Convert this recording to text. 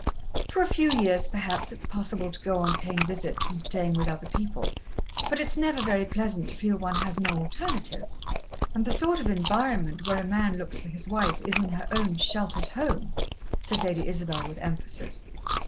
For a few years, perhaps, it's possible to go on paying visits, and staying with other people, but it's never very pleasant to feel one has no alternative, and the sort of environment where a man looks for his wife is in her own sheltered home," said Lady Isabel with emphasis.